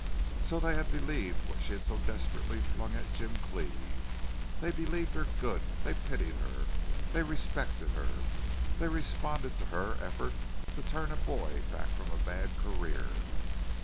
So they had believed what she had so desperately flung at Jim Cleve. They believed her good, they pitied her, they respected her, they responded to her effort to turn a boy back from a bad career.